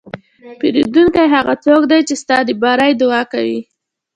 پیرودونکی هغه څوک دی چې ستا د بری دعا کوي.